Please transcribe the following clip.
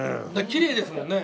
きれいですもんね。